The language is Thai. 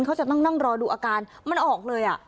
เขาจะนั่งรอดูอาการมันออกเลย